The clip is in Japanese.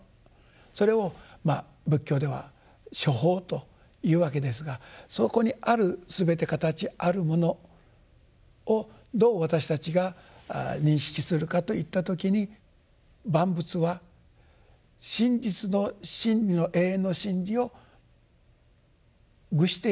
それを仏教では「諸法」というわけですがそこにあるすべて形あるものをどう私たちが認識するかといった時に万物は真実の真理の永遠の真理を具している。